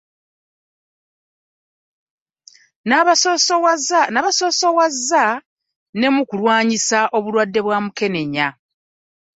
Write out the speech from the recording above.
N'abasoosowaza ne mu kulwanyisa obulwadde bwa Mukenenya.